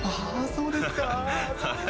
そうですか。